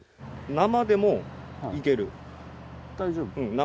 生でもいける。